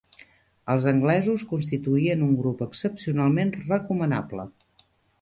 Els anglesos constituïen un grup excepcionalment recomanable